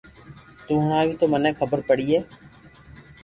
تو ھڻاوي تو مني خبر پڙئي